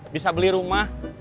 bisa beli rumah